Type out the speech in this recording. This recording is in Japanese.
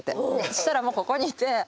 そしたらもうここにいて。